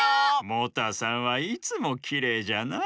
モタさんはいつもきれいじゃな。